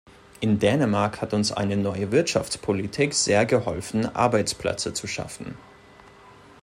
In Dänemark hat uns eine neue Wirtschaftspolitik sehr geholfen, Arbeitsplätze zu schaffen.